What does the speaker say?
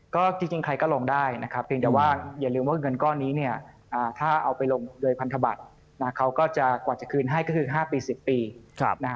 ก็จริงใครก็ลงได้นะครับเพียงแต่ว่าอย่าลืมว่าเงินก้อนนี้เนี่ยถ้าเอาไปลงโดยพันธบัตรเขาก็จะกว่าจะคืนให้ก็คือ๕ปี๑๐ปี